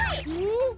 ん？